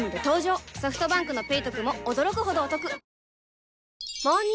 ソフトバンクの「ペイトク」も驚くほどおトク